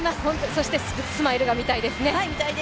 そしてスマイルが見たいですね。